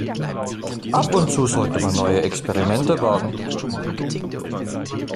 Ab und zu sollte man neue Experimente wagen.